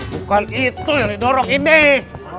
bukan itu yang di dorongin nih